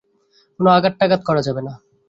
কোনো আঘাত-টাঘাত করা যাবে না।